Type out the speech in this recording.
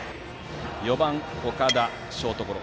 ４番の岡田はショートゴロ。